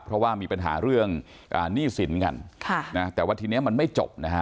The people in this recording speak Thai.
เพราะว่ามีปัญหาเรื่องหนี้สินกันค่ะนะแต่ว่าทีนี้มันไม่จบนะฮะ